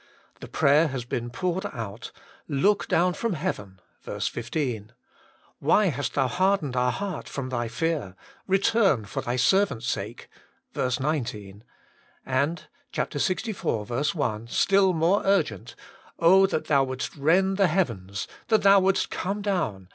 The prayer has heen poured out, ' Look down from heaven' (ver. 15). * Why hast Thou hardened our heart from Thy fear ? Keturn for Thy servants' sake' (ver. 19.) And Ixiv. 1, still more urgent, ' Oh that Thou wouldest rend the heavens, that thou wouldest come down